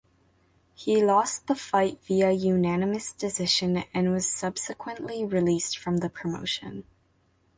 He lost the fight via unanimous decision and was subsequently released from the promotion.